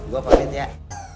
gue ngerasa kagak enak